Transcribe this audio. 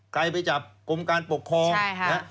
ใครไปจับกรุงการปกครองใช่ค่ะ